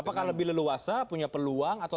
apakah lebih leluasa punya peluang atau